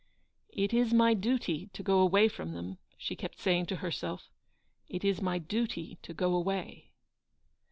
" It is my duty to go away from them," she kept saying to herself; " it is my duty to go away."